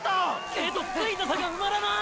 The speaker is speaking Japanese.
けどついた差が埋まらない！！